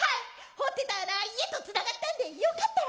掘ってた穴家とつながったんでよかったら。